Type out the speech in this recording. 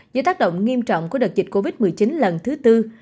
dưới tác động nghiêm trọng của đợt dịch covid một mươi chín lần thứ tư